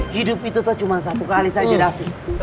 hidup itu tuh cuma satu kali saja davi